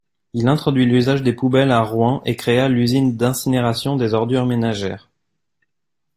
Il introduit l'usage des poubelles à Rouen et créa l'usine d'incinération des ordures ménagères.